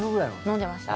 飲んでました。